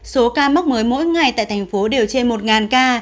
số ca mắc mới mỗi ngày tại thành phố đều trên một ca